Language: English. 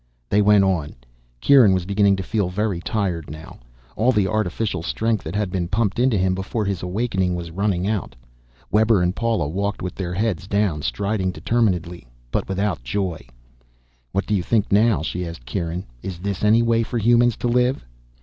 They went on. Kieran was beginning to feel very tired now, all the artificial strength that had been pumped into him before his awakening was running out. Webber and Paula walked with their heads down, striding determinedly but without joy. "What do you think now?" she asked Kieran. "Is this any way for humans to live?"